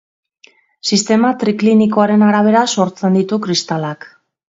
Sistema triklinikoaren arabera sortzen ditu kristalak.